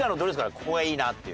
ここがいいなっていう。